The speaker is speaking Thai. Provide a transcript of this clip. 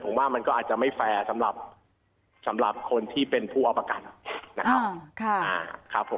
ผมว่ามันก็อาจจะไม่แฟร์สำหรับคนที่เป็นผู้เอาประกันนะครับผม